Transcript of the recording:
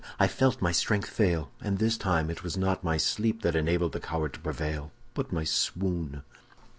I felt my strength fail, and this time it was not my sleep that enabled the coward to prevail, but my swoon."